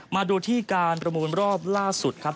มาดูที่การประมูลรอบล่าสุดครับ